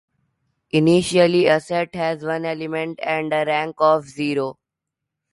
Initially a set has one element and a rank of zero.